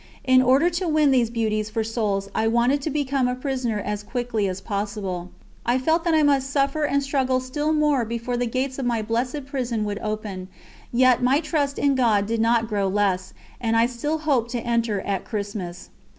In order to win these beauties for souls I wanted to become a prisoner as quickly as possible. I felt that I must suffer and struggle still more before the gates of my blessed prison would open; yet my trust in God did not grow less, and I still hoped to enter at Christmas.